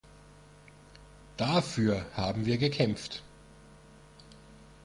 Dafür haben wir gekämpft.